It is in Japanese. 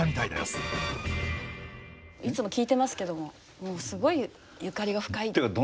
いつも聞いてますけどももうすごいゆかりが深い。